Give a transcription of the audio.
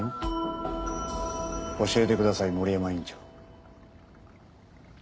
教えてください森山院長。